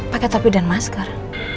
pakai topi dan masker